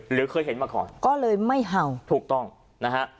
หรือเคยเห็นมาก่อนก็เลยไม่เห่าถูกต้องนะฮะ